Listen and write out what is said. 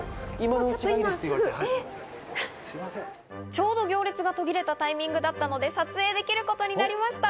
ちょうど行列が途切れたタイミングだったので撮影できることになりました。